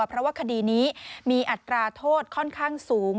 เพราะว่าคดีนี้มีอัตราโทษค่อนข้างสูง